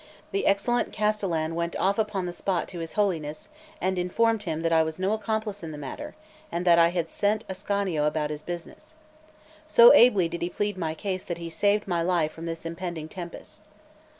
The excellent castellan went off upon the spot to his Holiness, and informed him that I was no accomplice in the matter, and that I had sent Ascanio about his business. So ably did he plead my cause that he saved my life from this impending tempest.